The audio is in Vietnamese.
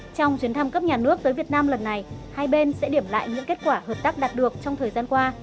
trong chuyến thăm cấp nhà nước tới việt nam lần này hai bên sẽ điểm lại những kết quả hợp tác đạt được trong thời gian qua